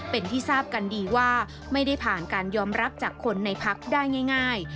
เป็นที่ทราบกันดีว่าไม่ได้ผ่านการยอมรับจากคนในพักได้ง่าย